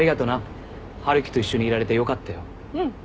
うん。